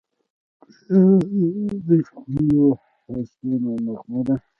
ګلاب د ښکلو حسونو نغمه ده.